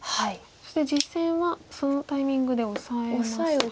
そして実戦はそのタイミングでオサえました。